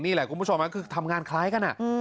นี่แหละคุณผู้ชมคือทำงานคล้ายกัน